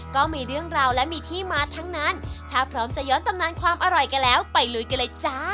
ก็มีเรื่องราวและมีที่มาทั้งนั้นถ้าพร้อมจะย้อนตำนานความอร่อยกันแล้วไปลุยกันเลยจ้า